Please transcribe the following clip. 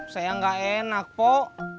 saya gak enak pok